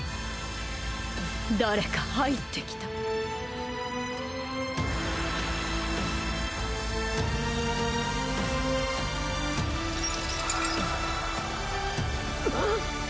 誰か入ってきたフゥー。